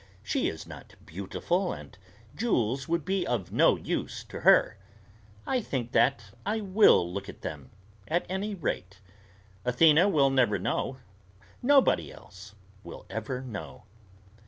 "She is not beautiful, and jewels would be of no use to her. I think that I will look at them, at any rate. Athena will never know. Nobody else will ever know."